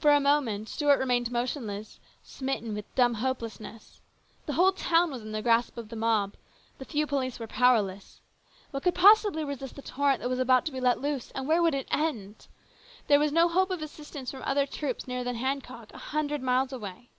For a moment Stuart remained motionless, smitten with dumb hopelessness. The whole town was in the grasp of the mob. The few police were powerless. What could possibly resist the torrent that was about to be let loose, and where would it end ? There was no hope of assistance from other troops nearer than Hancock, a hundred miles away.